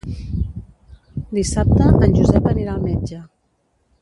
Dissabte en Josep anirà al metge.